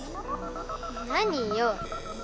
何よ？